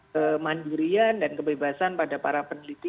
kemandirian dan kebebasan pada para peneliti